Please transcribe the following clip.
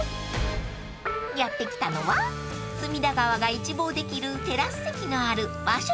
［やって来たのは隅田川が一望できるテラス席のある和色さん］